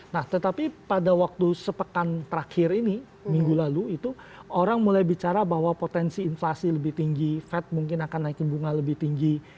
nah tetapi pada waktu sepekan terakhir ini minggu lalu itu orang mulai bicara bahwa potensi inflasi lebih tinggi fed mungkin akan naikin bunga lebih tinggi